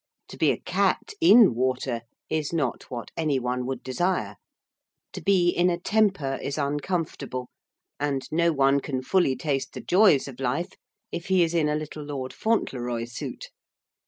To be a cat in water is not what any one would desire. To be in a temper is uncomfortable. And no one can fully taste the joys of life if he is in a Little Lord Fauntleroy suit.